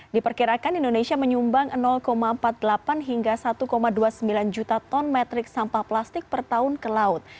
diperkirakan indonesia menyumbang empat puluh delapan hingga satu dua puluh sembilan juta ton metrik sampah plastik per tahun ke laut